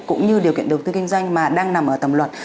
cũng như điều kiện đầu tư kinh doanh mà đang nằm ở tầm luật